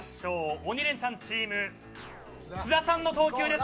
鬼レンチャンチーム津田さんの投球です。